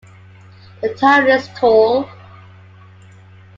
The tower is tall.